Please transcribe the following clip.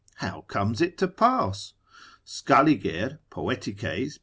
How comes it to pass? Scaliger poetices l.